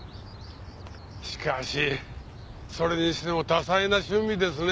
しかしそれにしても多彩な趣味ですね。